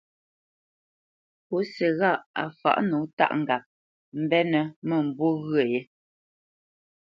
Pǔsi ghâʼ á fǎʼ nǒ tâʼ ŋgap mbenə́ mə̂mbû ghyə̂ yé.